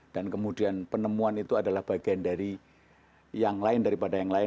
dan kemudian penemuan itu adalah bagian dari yang lain daripada yang lain